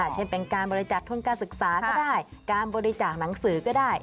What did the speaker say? เช่นเป็นการบริจาคทุนการศึกษาก็ได้การบริจาคหนังสือก็ได้